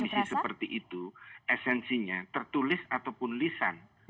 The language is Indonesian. kondisi seperti itu esensinya tertulis ataupun lisan